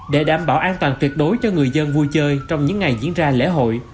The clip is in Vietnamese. để đảm bảo an toàn tuyệt đối cho người dân vui chơi trong những ngày diễn ra lễ hội